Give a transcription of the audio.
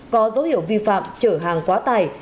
có dấu hiệu vi phạm trở hàng quá tài